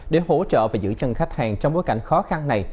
để hỗ trợ và giữ chân khách hàng trong bối cảnh khó khăn này